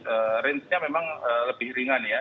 eh rangenya memang lebih ringan ya